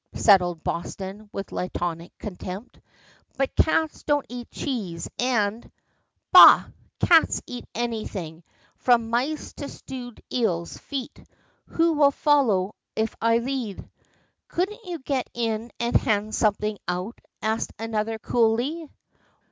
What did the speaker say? settled Boston with laconic contempt. "But cats don't eat cheese, and " "Bah! cats eat anything, from mice to stewed eels' feet. Who will follow if I lead?" "Couldn't you get in and hand something out?" asked another, coolly.